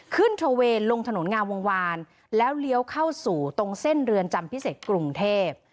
ทระเวนลงถนนงามวงวานแล้วเลี้ยวเข้าสู่ตรงเส้นเรือนจำพิเศษกรุงเทพ